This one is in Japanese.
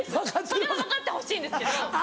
それは分かってほしいんですけど。